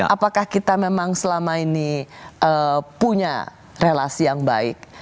apakah kita memang selama ini punya relasi yang baik